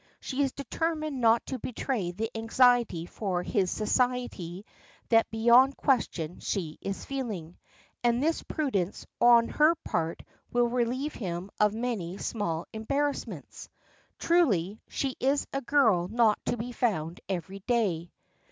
She is determined not to betray the anxiety for his society that beyond question she is feeling. And this prudence on her part will relieve him of many small embarrassments. Truly, she is a girl not to be found every day.